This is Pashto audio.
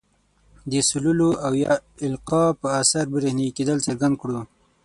د سولولو او یا القاء په اثر برېښنايي کیدل څرګند کړو.